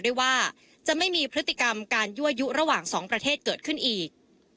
ด้วยว่าจะไม่มีพฤติกรรมการยั่วยุระหว่างสองประเทศเกิดขึ้นอีก